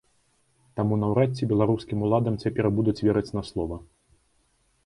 Таму наўрад ці беларускім уладам цяпер будуць верыць на слова.